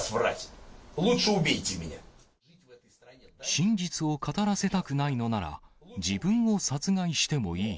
真実を語らせたくないのなら、自分を殺害してもいい。